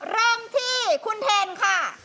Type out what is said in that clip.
เริ่มที่คุณเทนค่ะ